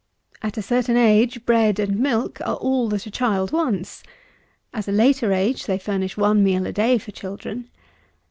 At a certain age bread and milk are all that a child wants. At a later age they furnish one meal a day for children.